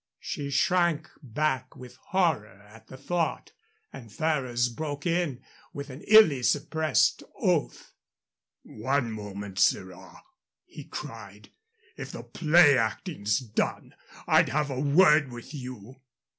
She shrank back with horror at the thought, and Ferrers broke in with an illy suppressed oath: "One moment, sirrah!" he cried. "If the play acting's done, I'd have a word with you.